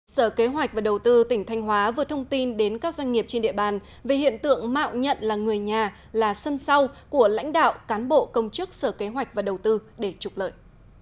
sở kế hoạch và đầu tư tỉnh thanh hóa vừa thông tin đến các doanh nghiệp trên địa bàn về hiện tượng mạo nhận là người nhà là sân sau của lãnh đạo cán bộ công chức sở kế hoạch và đầu tư để trục lợi